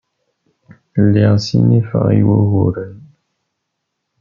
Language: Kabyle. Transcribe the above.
Lliɣ ssinifeɣ i wuguren.